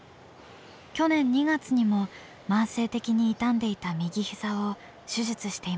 去年２月にも慢性的に痛んでいた右膝を手術していました。